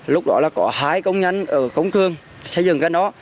lúc đó là có hai công nhân ở công thương xây dựng gần đó